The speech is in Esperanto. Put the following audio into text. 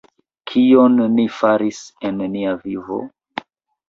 Kion ni faris en nia vivo?